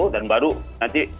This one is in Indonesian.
dan baru nanti